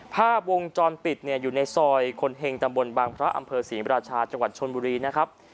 ภาพวงจรปิดเนี่ยอยู่ในซอยคนเห็งตำบลบางพระอำเภอศรีมราชาจังหวัดชนบุรีนะครับ